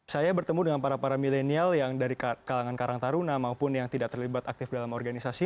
saya bertemu dengan para para milenial yang dari kalangan karang taruna maupun yang tidak terlibat aktif dalam organisasi